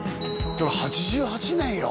８８年よ